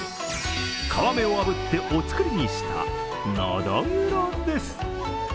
皮目をあぶってお造りにしたノドグロです。